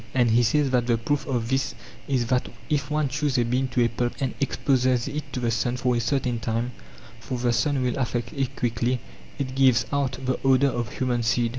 And he says that the proof of this is that if one chews a bean to a pulp and exposes it to the sun for a certain time (for the sun will affect it quickly), it gives out the odour of humanseed.